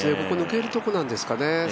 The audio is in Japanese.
ここ、抜けるところなんですかね